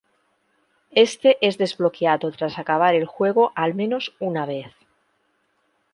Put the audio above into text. Éste es desbloqueado tras acabar el juego al menos una vez.